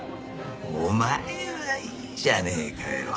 お前はいいじゃねえかよ。